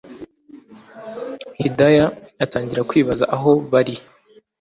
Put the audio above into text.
hidaya atangira kwibaza aho bari